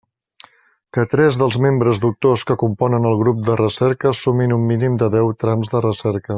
Que tres dels membres doctors que componen el grup de recerca sumin un mínim de deu trams de recerca.